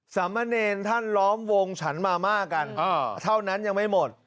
สามเณรท่านล้อมวงฉันมาม่ากันเท่านั้นยังไม่หมด